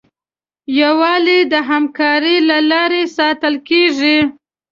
یووالی د همکارۍ له لارې ساتل کېږي.